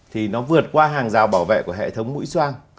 thì nó vượt qua hàng rào bảo vệ của hệ thống mũi xoang